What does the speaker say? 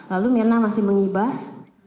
lalu mirna masih mengibas